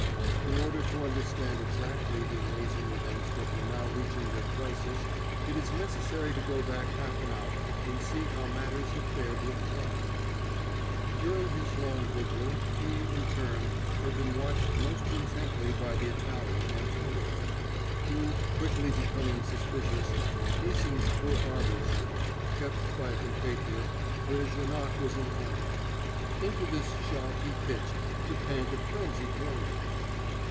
In order to understand exactly the amazing events that were now reaching their crisis it is necessary to go back half an hour and see how matters had fared with Clarke.... During his long vigil, he, in turn, had been watched most intently by the Italian, Antonio, who, quickly becoming suspicious, hastened to a barber's shop, kept by a compatriot, where Janoc was in hiding. Into this shop he pitched to pant a frenzied warning.